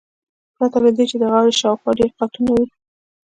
پرته له دې چې د غاړې شاوخوا ډیر قاتونه وي